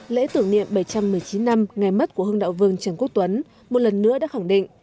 lễ tưởng niệm bảy trăm một mươi chín năm ngày mất của hương đạo vương trần quốc tuấn một lần nữa đã khẳng định